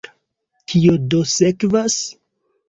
Kio do sekvas?